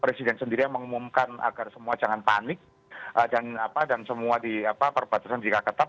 presiden sendiri yang mengumumkan agar semua jangan panik dan semua di perbatasan jika ketat